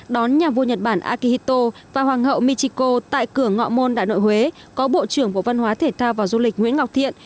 đón nhà vua nhật bản akihito và hoàng hậu michiko tại cửa ngõ môn đại nội huế có bộ trưởng bộ văn hóa thể thao và du lịch nguyễn ngọc thiện